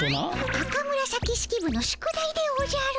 赤紫式部の宿題でおじゃる。